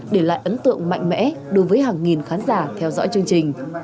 đây là ấn tượng mạnh mẽ đối với hàng nghìn khán giả theo dõi chương trình